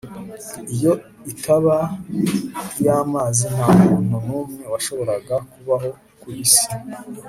Iyo itaba iyamazi nta muntu numwe washoboraga kubaho ku isi